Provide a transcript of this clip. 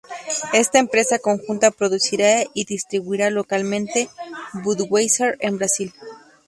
Esta empresa conjunta producirá y distribuirá localmente Budweiser en Brasil.